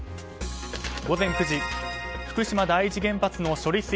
午前９時、福島第一原発の処理